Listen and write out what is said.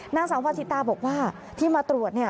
นางสาววาสิตาบอกว่าที่มาตรวจ